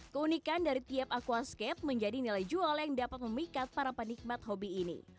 keunikan dari tiap aquascape menjadi nilai jual yang dapat memikat para penikmat hobi ini